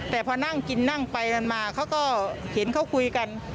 แต่พอนั่งกินนั่งไปกันมาเขาก็เห็นเขาคุยกัน